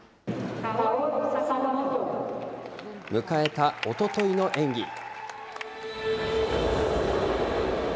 迎えたおとといの演技。